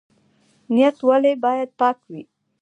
نیت ولې باید پاک وي؟